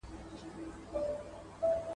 د نور سادات بین المللي باربري ټرانسپورټي شرکت